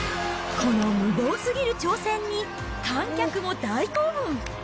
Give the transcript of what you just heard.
この無謀すぎる挑戦に、観客も大興奮。